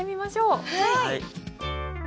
はい！